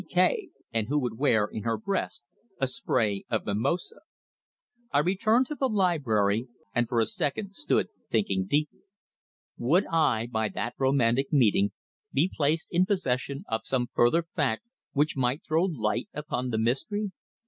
P. K." and who would wear in her breast a spray of mimosa. I returned to the library, and for a second stood thinking deeply. Would I, by that romantic meeting, be placed in possession of some further fact which might throw light upon the mystery?